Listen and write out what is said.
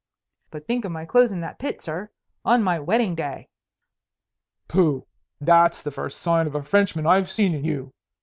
"But think of my clothes in that pit, sir, on my wedding day." "Pooh! That's the first sign of a Frenchman I've seen in you.